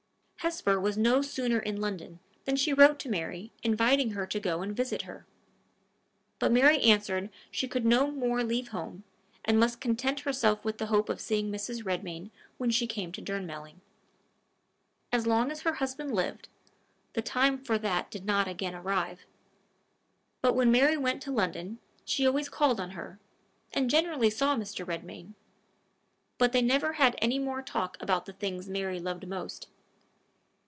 Hesper was no sooner in London, than she wrote to Mary, inviting her to go and visit her. But Mary answered she could no more leave home, and must content herself with the hope of seeing Mrs. Redmain when she came to Durnmelling. So long as her husband lived, the time for that did not again arrive; but when Mary went to London, she always called on her, and generally saw Mr. Redmain. But they never had any more talk about the things Mary loved most.